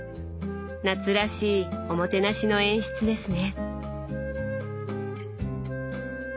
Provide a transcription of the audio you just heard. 夏らしいおもてなしの演出ですね。